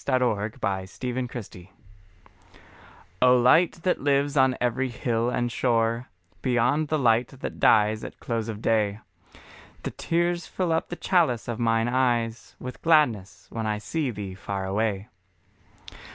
LI THE LIGHT INVISIBLE O LIGHT that lives on every hill and shore, Beyond the light that dies at close of day, The tears fill up the chalice of mine eyes With gladness, when I see Thee far away.